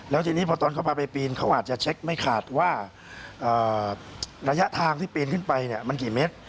แล้วทีนี้พอตอนเขาพาไปปีนเขาอาจจะเช็คไม่ขาดว่าระยะทางที่ปีนขึ้นไปเนี่ยมันกี่เมตร